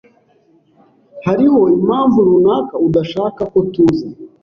Hariho impamvu runaka udashaka ko tuza?